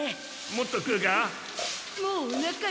もっと食うか？